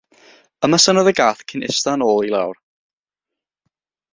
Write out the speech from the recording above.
Ymestynnodd y gath cyn ista yn ôl i lawr.